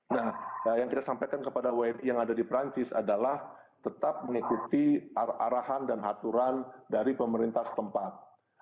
nah yang kita sampaikan kepada wni yang ada di perancis adalah tetap mengikuti arahan dan aturan dari pemerintah setempat